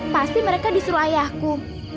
pasti mereka disuruh ayahku